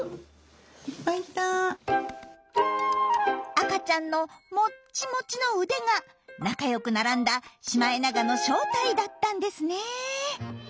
赤ちゃんのモッチモチの腕が仲良く並んだシマエナガの正体だったんですねえ。